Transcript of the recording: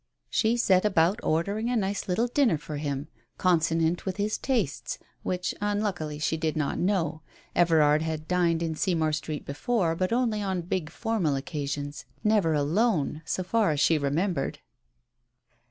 She set about ordering a nice little dinner for him, consonant with his tastes, which unluckily she did not know. Everard had dined in Seymour Street before, but only on big formal occasions, never alone, so far as she remembered.